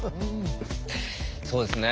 そうですね。